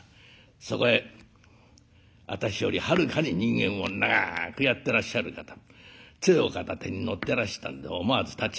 そこへ私よりはるかに人間を長くやってらっしゃる方つえを片手に乗ってらしたんで思わず立ち上がっちゃいましたね。